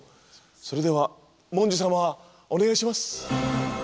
それではモンジュ様お願いします。